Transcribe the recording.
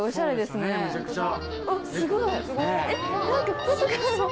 すっごい